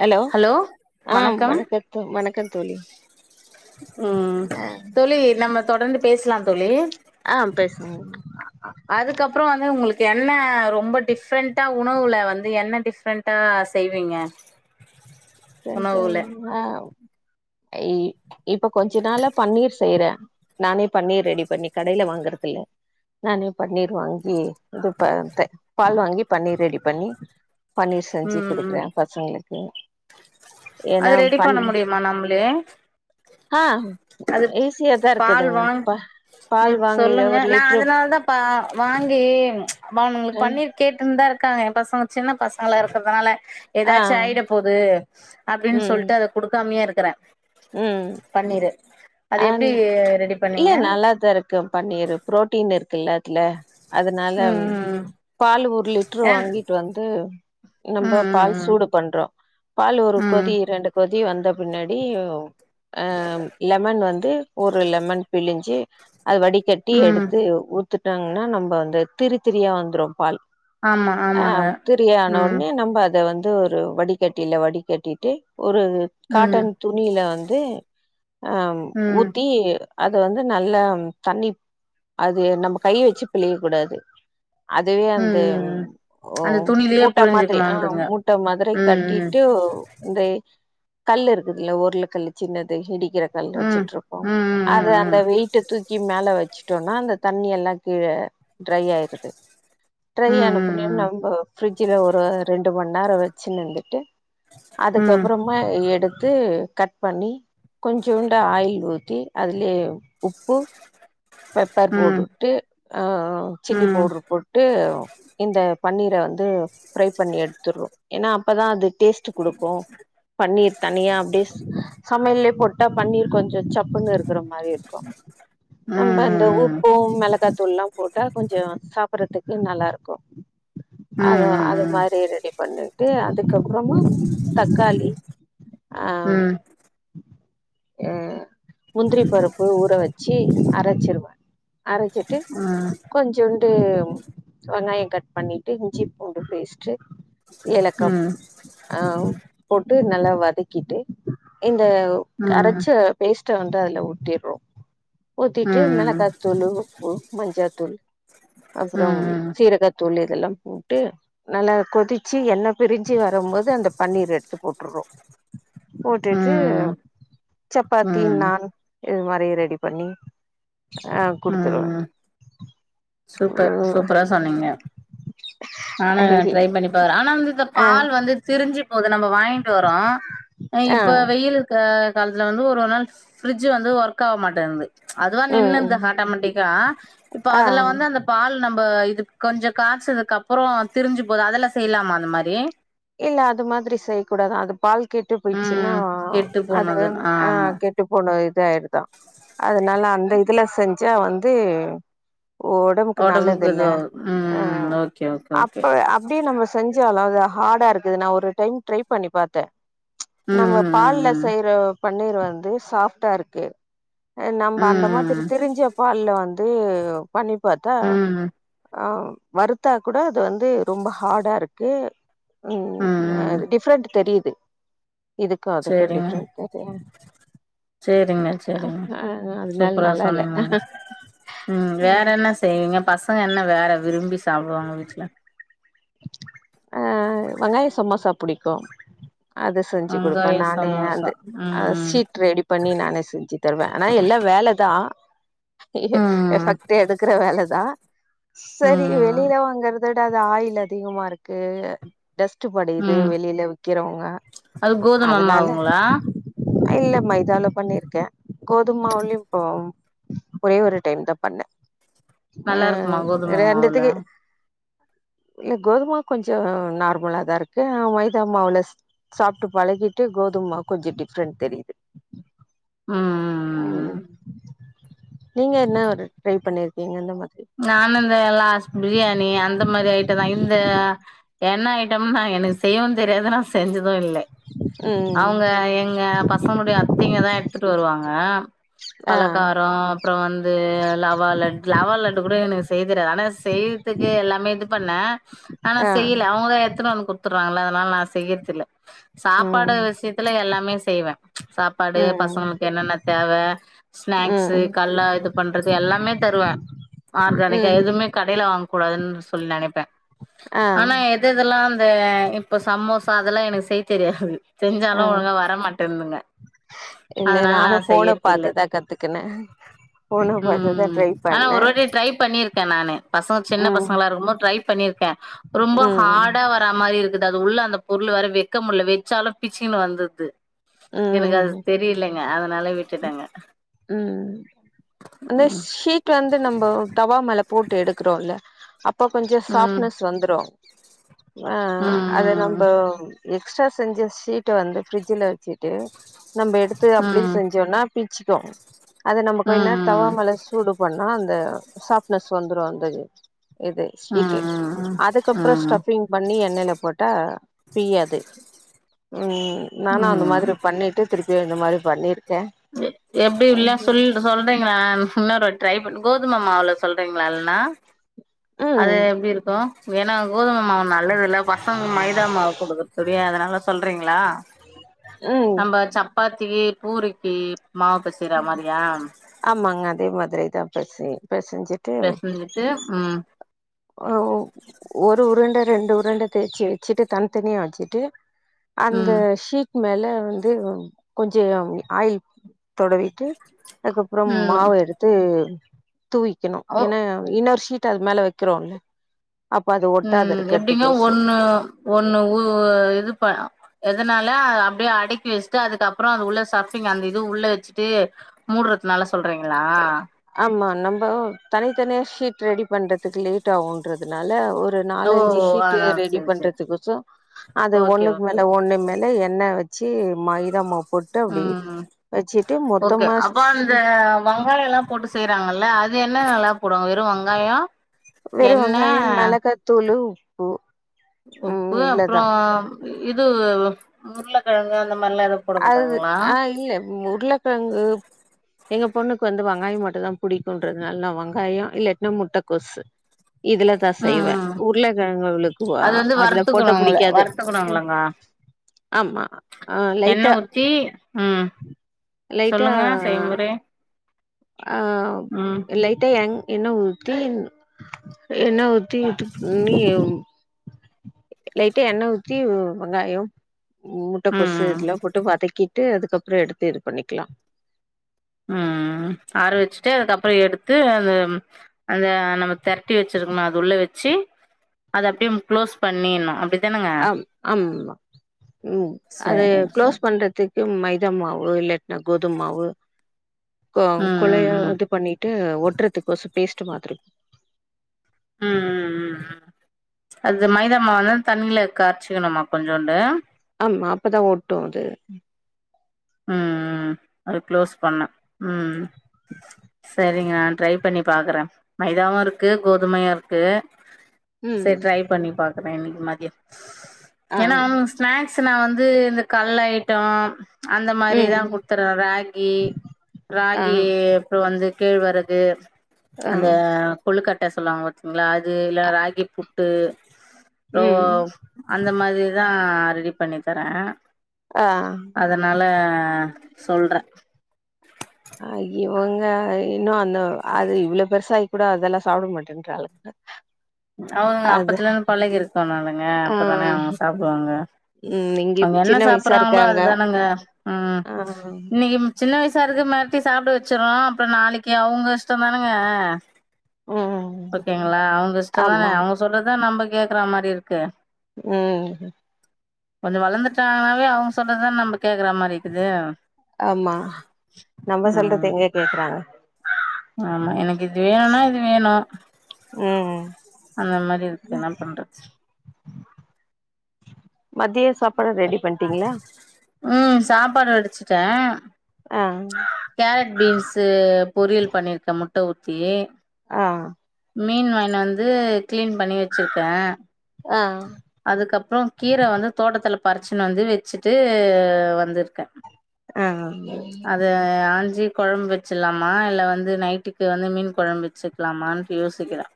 hello ஆ வணக்கம் வணக்க தோ வணக்கம் தோழி ம் ஆ தோழி நம்ம தொடர்ந்து பேசலா தோழி ஆ பேசலா அதுக்கப்புற வந்து உங்களுக்கு என்ன ரொம்ப டிஃப்ரெண்டா உணவுல வந்து என்ன டிஃப்ரெண் டா செய்வீங்க உணவுல ரென்ட்டானா இ இப்ப கொஞ்ச நாள பன்னீர் செய்றே நானே பன்னீர் ரெடி பண்ணி கடைல வாங்குறது இல்ல நானே பன்னீர் வாங்கி இது பாத்தே பால் வாங்கி பன்னீர் ரெடி பண்ணி பன்னீர் செஞ்சு ம் ம் குடுக்குறே பசங்களுக்கு ஏன்னா அது ரெடி பன் பண்ண முடியுமா நம்மளே அது ஈஸியாதா பால் இருக்குதுங்க வாங் பா பால் ம் வாங்கி சொல்லுங்க ஒரு நா லிட்ரு அதனாலதா பா வாங்கி அவன்னுங்களுக் பன்னீர் கேட்டுந்தா இருக்காங்க எ பசங்க சின்ன பசங்களா இருக்கற்துனால ஆ எதாச்சு ஆயிட போது அப்டின் ம் சொல்ட்டு அத குடுக்காமையே இருக்கறே ம் பன்னீரு அது ஆ எப்டி ரெடி இல்ல பண்ணீங்க நல்லாதா இருக் கு பன்னீரு ப்ரோட்டீன் இருக்குல்ல அதுல அதனால ம் ம் பால் ஒரு லிட்ரு ஏன் வாங்கிட்டு வந்து நம்ப ம் பால் ம் சூடு பண்றோ பால் ஒரு ம் ம் கொதி ரெண்டு கொதி வந்த பின்னாடி அ லெமன் வந்து ஒரு லெமன் பிழிஞ்சு அது வடிக் கட்டி ம் எடுத்து ஊத்துனாங்கன்னா நம்ப அந்த திரித்திரியா வந்துரு பால் ஆமா ஆ ஆமாங்க திரியான ம் ஒன்னே நம்ப அத வந் து ஒரு வடிகட்டில வடிகட்டிட்டு ஒரு ம் காட்டன் துணியில வந்து அ ம் ஊத்தி அத வந்து நல்லா தண்ணி அது நம்ப கை வெச்சு பிழிய கூடாது அதுவே ம் அந்த ம் ம் ஓ அந்த துணிலயே மூட்ட மாதிரி ஆ புழிஞ்சுக்கணுன்றீங்க மூட்ட மாதிரி ம் கட்டிட்டு இந்தே கல்லு இருக்குதுல உருள கல்லு சின்னது இடிக்கிற கல் ம் வெச்சிட்ருப்போ ம் அத ம் ம் அந்த வெயிட்ட தூக்கி மேல வெச்சுட்டோனா அந்த தண்ணியெல்லா கீழ ட்ரை ஆயிருது ட்ரை ஆனா பின்ன ம் நம்ப ஃப்ரிட்ஜ்ல ஒரு ரெண்டு மண் நேரோ வெச்சுன்னிந்துட்டு ம் ம் அதுக்கப்பறமா எடுத்து கட் பண்ணி கொஞ்சூண்ட ஆயில் ஊத்தி அதுலியே உப்பு பெப்பர் ம் போட்டுட்டு அ ம் சில்லி ம் பவுட்ரு போட் டு இந்த பன்னீர வந்து ஃப்ரை பண்ணி எடுத்துறோ ஏனா அப்பதா அது டேஸ்ட்டே குடுக்கு பன்னீர் தனியா அப்டே சமையல்லே போட்டா பன்னீர் கொஞ்சோ சப்புனு இருக்கிற மாரி இருக்கு நம்ம அந்த ம் உப்பு மெளகாத்தூள்லா போட்டா கொஞ்சோ சாப்பறதுக்கு நல்லா இருக்கு அத அது ம் மாரி ரெடி பண்ணிட்டு அதுக்கப்புறமா தக்காளி ஆ ம் ம் அ முந்திரி பருப்பு ஊற வெச்சு அரச்சிருவ அரச்சிட்டு ம் கொஞ்சூண்டு வெங்காய கட் பண்ணிட்டு இஞ்சி பூண்டு பேஸ்ட்டு ஏலக்கா ம் ஆ போட்டு நல்லா வதக்கிட்டு இந்த அரச்ச பேஸ்ட்ட வந்து அதுல ஊத்திற்றோ ம் ம் ஊத்திட் டு ம் ம் மெளாகாத்தூளு உப்பு மஞ்சாத்தூள் அப்பறம் சீரகத்தூளு இதெல்லா போட்டு நல்லா கொதிச்சி எண்ணெ பிரிஞ்சு வரமோது அந்த பன்னீர எடுத்து போட்டுற்றோ போட்டுட்டு ம் சப்பாத்தி ம் நாண் இது மாரி ரெடி பண்ணி ஆ ம் குடுத்துருவே ம் சூப்பர் சூப்பரா சொன்னீங்க நானு ட்ரை பண்ணி பாக்ற ஆனா இந்த இந்த ஆ பால் வந்து திரிஞ்சு போது நம்ம வாய்ங்ன்டு வரோ அ ஆ இப்ப வெயில் க காலத்துல வந்து ஒரு ஒரு நாள் ஃபிரிட்ஜு வந்து ஒர்க்காவ மாட்டேந்து அதுவா ம் நின்னுத்து ஆட்டாமேட்டிக்கா இப்ப அ ஆ ந்த பால் நம்ப இது கொஞ்சொ காசதுக்கு அப்பறோ திரிஞ்சு போது அதல்ல செய்லாமா அந்த மாரி இல்ல அது மாதிரி செய்க்கூடாது அது பால் கெட்டு போயிச்ன்னா ம் கெட்டு அது போனது ஆ ஆமா கெட் ட்டுப்போன இது ஆய்ருதா அதனால அந்த இதுல செஞ்சா வந்து ஓடம்புக்கு ஒடம்புக்கு நல்லதில்ல இதுவாகு ம் ஓகே ஓகே ஓகே அப்ப அப் டே நம்ம செஞ்சாலு அது ஹாடா இருக்குது நா ஒரு டைம் ட்ரை பண்ணி பாத்த நம்ம பால்ல ம் ம் செய்ற பன்னீர் வந்து சாஃப்ட்டா இருக்கு அ நம்ம ம் அந்த மாதிரி ம் திரிஞ்ச பால்ல வந்து பண்ணி பாத்தா ம் ம் ம் ம் ஆ வருத்தா கூட அது வந்து ரொம்ப ஹாடா இருக்கு ம் அ டிஃப்ரெண்ட் தெரியுது இதுக்கு அதுக்கு டி சரிங்க ஃப்ரெண் தெ து சேரிங்க சேரிங்க அதனால சூப்பரா நல்லா இல்ல சொன்னிங்க ம் வேற என்ன செ ய்வீங்க பசங்க என்ன வேற விரும்பி சாப்டுவாங்க வீட்ல அ வெங்காய சமோசா புடிக்கு அத செஞ்சி குடுப்ப வெங்காய நானே சமோசா அது அத ம் ஷீட் ரெடி பண்ணி நானே செஞ்சி தருவ ஆனா எல்லா வேலதா ம் எஃபக்ட்டே எடுக்ற வேலதா ம் சரி ம் வெளில வாங்குற த விட அது ஆயில் அதிகமா இருக்கு டஸ்ட்டு படியிது ம் வெளில விக்கிறவங்க அது கோதும அதுனால மாவுங்களா இல்ல மைதால பண்ணிர்க்க கோதும்மாவ்லயு இப்போ ஒரே ஒரு டைம் தா பண்ண ஆ நல்லா இருக்குமா கோதும மாவுல ரெண்டுத்துக்கு இல்ல கோதுமாவ் கொஞ்சொ நார்மலா தா இருக்கு அ மைதா மாவுல சாப்ட்டு பழகிட்டு கோதும்மாவ் கொஞ்சொ டிஃப்ரெண்ட் தெரிய்து ம் நீங்க என்ன ஒரு ட்ரை பண்ணிர் கீங்க இந்த மாதிரி நானு இந்த லாஸ் பிரியாணி அந்த மாரி ஐட்டந்தா இந்த எண்ண ஐட்டம்னா எனக்கு செய்யவு தெரியாது நா செஞ்சது இல்லே ம் அவ்ங்க எங்க பசங்களுடைய அத்தைங்க தா எடுத்ட்டு வருவாங்க ஆ பலகாரொ அப்றொ வந்து லவா லட்டு் லவா லட்டு கூட எனக்கு செய்ய தெரியாது ஆனா செய்யத்துக்கு எல்லாமே இது பண்ண ஆனா ஆ செய்ல அவுங்கதா எத்துனு வந்து குட்த் துர்றாங்கல அதனால நா செய்யற்தில்ல சாப்பாடு ம் விஷயத்துல எல்லாமே செய்வ சாப்பாடு ம் பசங்களுக்கு என்னென்ன தேவ ஸ்னாக்ஸு ம் கல்ல இது பண்றது எல்லாமே தருவ ஆர்கானிக்கா ம் எதுவ்மே கடைல வாங்க்கூடாதுன் சொல்லி நெனப்பே ஆ ஆனா எ த இதெல்லா அந்த இப்ப சமோசா அதெல்லா எனக்கு செய் தெரியாது ஆ செஞ்சாலு ஒழுங்கா வரமாட்டன்துங்க இல்ல நானு ஃபோன பாத்துதா கத்துக்குன ஃபோன பாத்துதா ம் ட்ரை ஆனா பண்ண ஒரு வாட்டி ட்ரை பண்ணிர்க்க நானு பசங்க சின்ன பசங்களா இருக்கம் போது ட்ரை பண்ணிர்க்க ரொம்ப ம் ஹாடா வ ரா மாரி இருக்குது அது உள்ள அந்த பொருள் வேற வெக்க முல்ல வெச்சாலு பிச்சிக்கினு வந்துர்து எனக்கு அது ம் தெரிய்லங்க அதனால விட்டுட்டங்க ம் அந்த ஷீட் வந்து நம்போ தவாமேல போட்டு எடுக்குறோ ல்ல அப் பொ கொஞ்சொ ம் சாஃப்ட்னஸ் வந்துரு ஆ அத நம்பொ ம் எக்ஸ்ட்ரா செஞ்ச ஷீட்ட வந்து ஃப்ரிட்ஜுல வெச்சிட்டு நம்ப எடுத்து அப்டே ம் செஞ்சோன்னா பீச்க்கு அது நம்ம ம் கொய் நே தவா ம் மேல சூடு பண்ணா அந்த சாஃப்னஸ் வந்த்ரு அந்த இது ம் ம் ஷீட்டு ம் அதக்கப்றோ ம் ஸ்டஃபிங் பண்ணி எண்ணெய்ல போட்டா பிய்யாது ம் நானா இந்த ம் ம் மாதிரி பண்ணிட்டு திருப்பியு இந்த மாரி பண்ணிர்க்கே எப்டி இல்ல அஞ்சே சொல் சொல்றீங்களா இன்னொரு வாட் ட்ரை பண்ணு கோதும மாவுல சொல்றீங்களா இல்ன்னா அது எப்டி இருக்கு ஏன்னா கோதும மாவு நல்லதுல்ல பசங்களுக்கு மைதா மாவ குடுக்குறதுக்கு அதனால சொல்றீங்களா ம் சாப்பாத்திக்கி பூரிக்கி மாவு பெசைற மாறியா ஆமாங்க அதே மாதிரிதா பெசயனு பெசஞ்சி பெசஞ்சிட்டு ம் ஆ ஒரு உருண்ட ரெண்டு உருண்ட தேய்ச்சி வச்சிட்டு தனி தனியா வச்சிட்டு அந்த ம் ஷீட் மேல வந்து கொஞ்சோ ஆயில் தடவீட்டு அதுக்கப்றோ ம் மாவ எடுத்து தூவிக்கணு ஓ ஏன்னா இன்னொரு ஷீட்டு அது மேல வைக்குறோல்ல அப்ப அது ஒட்டாத ம் எப்டிங்க இருக்கறதுக்கு சோ ஒண்ணு ஒண்ணு ஊ இது பா எதுனால அப்டியே அடுக்கி வஸ்ட்டு அதுக்கப்றோ அது உள்ள சஃபிங் அந்த இது உள்ள வச்சிட்டு மூட்றதுனால சொல்றீங்ளா ஆமா நம்போ தனித்தனியா ஷீட் ரெடி பண்றதுக்கு லேட் ஆவு ன்றதுனால ஒரு ஓ நாலஞ்சி ஷீட்டு அதா ரெடி செரி செரி பண்றதுக்கோசோ அது ஓகே ஒண்ணுக்கு ஓகே மேல ஒண்ணு மேல எண்ணெ வச்சி மைதா மாவு போட்டு அப்டி ம் வச்சிட்டு மொத்தமா ஷீ வெங்காயல்லா போட்டு செய்றாங்கல்ல அது என்னென்னல்லா போடுவாங்க வெறு வெங்காயோ வெறு எண்ணெ வெங்காயம் மெளகா தூளு உப்பு அப்றோ இது உருளக்கெழங்கு அந்த மாரிலா எது அது ஆ இல்ல உருளக்கெழங்கு எங்க பொண்ணுக்கு வந்து வெங்காய மட்டுந்தா புடிக்குன்றதுனால நா வெங்காயோ இல்லாட்டுனா முட்டகோசு இதுலதா ம் செய்வே ம் உருளக்கெழங்கு அவளுக்கு அது வந்து அதுல போட்ட வறுத்துக்கணுங்கள புடிக்காது வறுத்துக்கணுங்களங்க ஆமா ஆ லைட் எண்ணெ ஊத்தி ம் லைட்டா சொல்லுங்க செய்முறை ஆ ம் லைட்டா எங் எண்ணெ ஊத்தி எண்ணெ ஊத்தி இது பண்ணி லைட்டா எண்ணெ ஊத்தி வெங்காயோ ம் முட்டகோசு ம் இதெல்லா போட்டு வதக்கிட்டு அதுக்கப்றோ எடுத்து இது பண்ணிக்கலா ம் ஆற வச்சிட்டு அதுக்கப்பறோ எடுத்து அந்த அந்த நம்ம திரட்டி வச்சிருக்கோம்ல அது உள்ள வச்சி அத அப்டியும் க்ளோஸ் பண்ணிர்ணு அப்டி ம் ஆமா ஆமா ம் அது சேரிங்க சார் க்ளோஸ் பண்றதுக்கு மைதா மாவு இல்ல கோதும மாவு ஆ ம் கொழையா ம் இது பண்ணிட்டு ஒட்டுறதுக்குகோசோ பேஸ்ட்ட் மாதிரி ம் ம் ம் ம் அது மைதாமாவ வந்து தண்ணில கரச்சிக்கணுமா கொஞ்சோண்டு ஆமா அப்பதா ஓட்டு அது ம் ம் அத க்ளோஸ் பண்ண ம் செரிங்க நா ட்ரை பண்ணி பாக்குறே மைதாவு இருக்கு கோதுமையு இருக்கு செரி ம் ட்ரை பண்ணி பாக்குறே இன்னக்கி மதியோ ஆ ஏன்னா அவனுங்க ஸ்நாக்ஸ் சோ நா வந்து இந்த கல் ஐட்டோ அந்த மாரி தா ம் குத்தறே ராகி ஆ ராகி அப்புற வந்து கேழ் வரது ஆ அந்த கொழுக்கட்ட சொல்லுவாங்க வத்தீங்களா அது இல்ல ராகி புட்டு அப்றோ ம் அந்த மாதிரிதா ரெடி பண்ணி தரே ஆ அதனால சொல்றே அய்யோ இவங்க இன்னு அந்த அது இவ்வளவு பெருசாய் கூட அதெல்லா சாப்பட மாட்டமாட்டேன்டிறாளுங் அவங்க அப்பத்தல இருந்து பழகிருக்கனுங்க ஆ அப்பதானே அவங்க சாப்பிடுவாங்க ம் இங்க அங்க என்ன சின்ன வயசா சாப்பிற்றாங்களோ இருக்காங்க அதுதானுங்க ம் ஆ இன்னைக்கு சின்ன வயசா இருக்கு மெரட்டி சாப்ட வச்சிற்றோ அப்புற நாளைக்கு அவங்க இஷ்டம் தானுங்க ம் ஓகேங்களா அவங்க இஷ்டம்தானே ஆமா அவங்க சொல்லறதா நம்ப கேக்குற மாரி இருக்கு ம் கொஞ்ச வளர்ந்துட்டாங்கனாவே அவங்க சொல்றதுத நம்ப கேக்குற மாரி இருக்குது ஆமா நம்ம ம் சொல்றது எங்க கேக்குறாங்க ஆமா எனக்கு இது வேன்னா இது வேணு ம் அந்த மாரி இருக்கு என்ன பண்றது மத்திய சாப்பாடு ரெடி பண்ட்டீங்களா ம் சாப்பாடு வடிச்சுட்டே அ கேரட் பீன்சு பொரியல் பண்ணிர்க்கே முட்ட ஊத்தி ஆ மீன் வாங்கின்னு வந்து கிளீன் பண்ணி வச்சிருக்கே ஆ அதுக்கப்பறோ கீர வந்து தோட்டத்துல பறிச்சுன்னு வந்து வெச்சுட்டு வந்திருக்கே ஆ அத ஆஞ்சி கொழம்பு வச்சில்லாமா இல்ல வந்து நைட்டுக்கு வந்து மீன் கொழம்பு வச்சுக் கலாமான் யோசிக்கிறே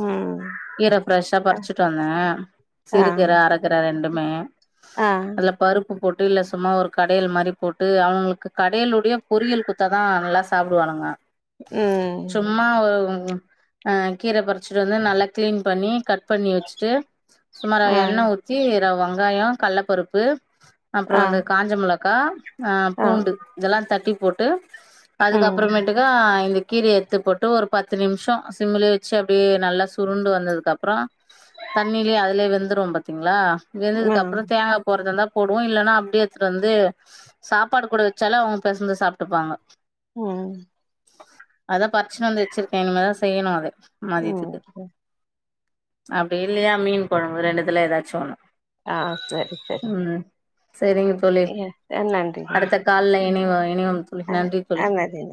ம் கீர ஃப்ரெஷ்ஷா ஆ பறிச்சுட்டு வந்தே சிறுகீர அர கிற ரெண்டுமே ஆ அதுல பருப்பு போட்டு இல்ல சும்மா ஒரு கடையல் மாரி போட்டு அவுங்களுக்கு கடையளுடைய பொறியல் கு டுத்ததா நல்லா சாப்புடுவானுங்க ம் சும்மா ஒ அ கீர பறிச்சிட்டு வந்து நல்லா கிளீன் பண்ணி க பண்ணி வச்சுட்டு சுமார ஆ எண்ணெ ஊத்தி வெங்காயோ கல்லப்பருப்பு அப்புறோ ஆ வந்து காஞ்ச மளகா ஆ பூண்டு இதெல்லா தட்டி போட்டு அதுக்கு ம் அப்பறமேட்டுக்கா அ இந்த கீரைய எத்து போட்டு ஒரு பத்து நிமிஷோ சிம்மலே வச்சு அப்டியே நல்லா சுருண்டு வந்ததுக்கப்புறோ தண்ணியிலேயே அதுலயே வெந்துரு பாத்தீங்களா ஆ வெந்ததுக்கு அப்புறம் தேங்கா போறதுந்தா போடுவோ இல்லன்னா அப்டியேத்துன் வந்து சாப்பாடு கூட வச்சாலே அவங் பெசந்து சாப்ட்டுப்பாங்க ம் அதா பருச்சின்னு வந்து வச்சிருக்கே இனிமேல் செய்யணு அத ம் அப்டி இல்லையா மீன் கொழ்ம்பு ரெண்டுதுல எதாச்சு ஒன்னு ஆ சரி சரி ம் சேரிங்க தோழி நன்றிங்க அடுத்த கால்ல இனைவோ இனைவோம் தோழி நன்றி ஆ தோழி நன்றிங்க